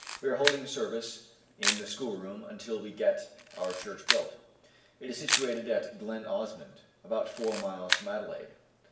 We are holding service in the schoolroom until we get our church built. It is situated at Glen Osmond, about four miles from Adelaide."